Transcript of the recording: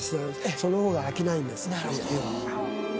そのほうが飽きないんです絵は。